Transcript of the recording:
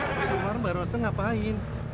pak suparman barusan ngapain